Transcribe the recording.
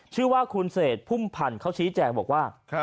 ชื่อว่าคุณเศษพุ่มพันธ์เขาชี้แจงบอกว่า